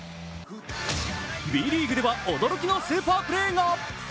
Ｂリーグでは驚きのスーパープレーが。